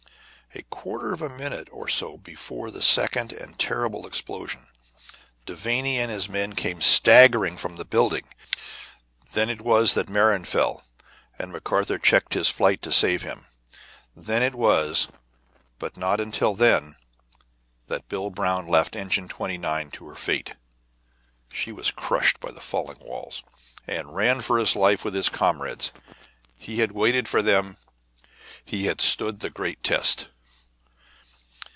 A quarter of a minute or so before the second and terrible explosion, Devanny and his men came staggering from the building. Then it was that Merron fell, and McArthur checked his flight to save him. Then it was, but not until then, that Bill Brown left Engine 29 to her fate (she was crushed by the falling walls), and ran for his life with his comrades. He had waited for them, he had stood the great test.